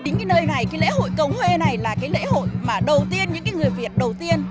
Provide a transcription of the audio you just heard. chính nơi này lễ hội cầu huê này là lễ hội mà đầu tiên những người việt đầu tiên